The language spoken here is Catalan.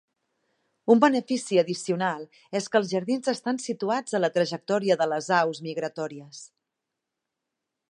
Un benefici addicional és que els jardins estan situats a la trajectòria de les aus migratòries.